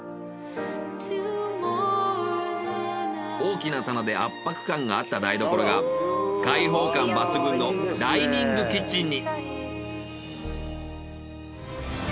大きな棚で圧迫感があった台所が開放感抜群のダイニングキッチンに。